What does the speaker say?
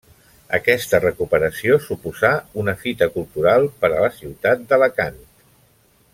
Aquesta recuperació suposà una fita cultural per a la ciutat d'Alacant.